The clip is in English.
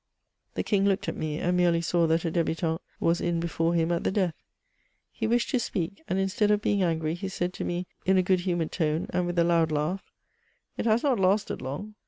The King looked at me, and merely saw that a ddbutaiU was in before him at the death. He wished to speak ; and instead of being angry, he said to me, in a good humoured tone, and with a loud Uugh, " It has not lasted long."